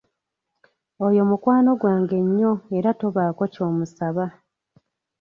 Oyo mukwano gwange nnyo era tobaako ky'omusaba.